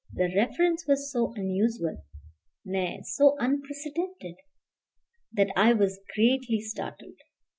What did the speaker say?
the reference was so unusual nay, so unprecedented that I was greatly startled.